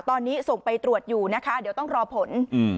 ตอนนี้ส่งไปตรวจอยู่นะคะเดี๋ยวต้องรอผล